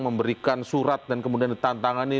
memberikan surat dan kemudian ditantangani